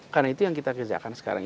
karena itu yang kita kerjakan sekarang